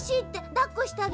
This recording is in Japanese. だっこしてあげて。